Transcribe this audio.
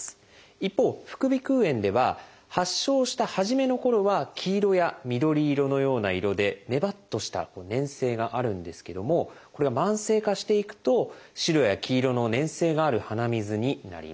一方副鼻腔炎では発症した初めのころは黄色や緑色のような色でネバッとした粘性があるんですけどもこれが慢性化していくと白や黄色の粘性がある鼻水になります。